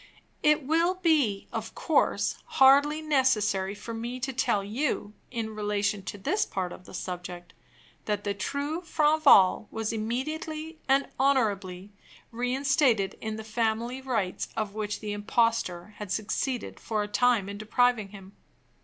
It will be, of course, hardly necessary for me to tell you, in relation to this part of the subject, that the true Franval was immediately and honorably reinstated in the family rights of which the impostor had succeeded for a time in depriving him.